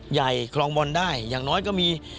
คลองบอลได้อย่างน้อยก็มี